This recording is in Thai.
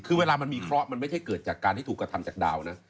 คือเวลามันมีเคราะห์มันไม่ใช่เกิดจากการที่ถูกกระทำจากดาวนะ